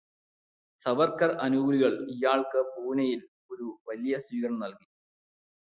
സവർക്കർ അനുകൂലികൾ ഇയാൾക്ക് പൂനെയിൽ ഒരു വലിയ സ്വീകരണം നൽകി.